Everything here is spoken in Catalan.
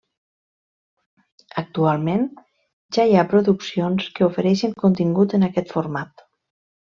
Actualment, ja hi ha produccions que ofereixen contingut en aquest format.